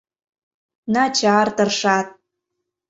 Начар тыршат.